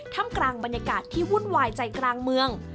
ทำกลางบรรยากาศที่วุ่นวายใจกลางเมือง